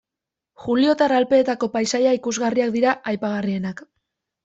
Juliotar Alpeetako paisaia ikusgarriak dira aipagarrienak.